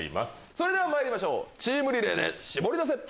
それではまいりましょうチームリレーでシボリダセ！